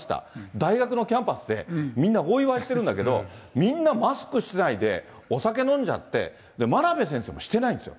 大学のキャンパスで、みんなお祝いしてるんだけど、みんなマスクしないで、お酒飲んじゃって、真鍋先生もしてないんですよ。